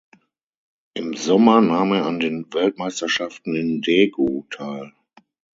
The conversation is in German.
Im Sommer nahm er an den Weltmeisterschaften in Daegu teil.